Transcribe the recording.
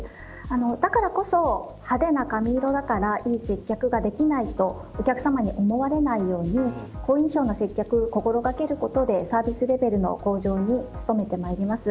だからこそ派手な髪色だからいい接客ができないとお客さまに思われないように好印象な接客を心掛けることでサービスレベルの向上に努めてまいります。